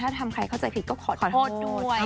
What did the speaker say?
ถ้าทำใครเข้าใจผิดก็ขอโทษด้วย